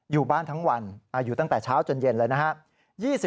อยู่บ้านทั้งวันอยู่ตั้งแต่เช้าจนเย็นเลยนะครับ